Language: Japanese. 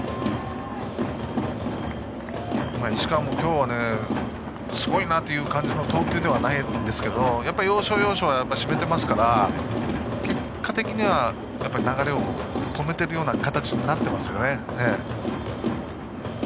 石川も今日はすごいなという感じの投球ではないんですけどやっぱり要所要所は締めていますから結果的には流れを止めている形になっていますよね。